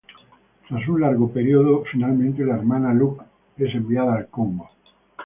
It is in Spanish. Tras un largo período, finalmente la Hermana Luc es enviada al Congo.